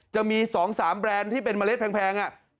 จะมี๒๓แบรนด์ที่เป็นเมล็ดแพง